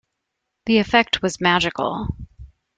The effect was magical.